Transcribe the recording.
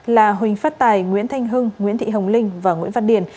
là huỳnh phát tài nguyễn thanh hưng nguyễn thị hồng linh và nguyễn văn điền